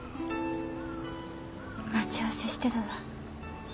待ち合わせしてただ。